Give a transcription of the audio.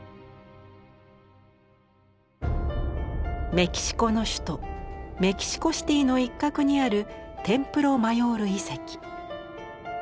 メキシコの首都メキシコシティーの一角にあるテンプロ・マヨール遺跡。